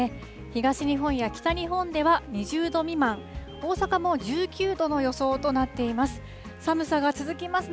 東日本や北日本では２０度未満、大阪も１９度の予想となっています。